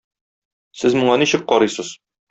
Сез моңа ничек карыйсыз?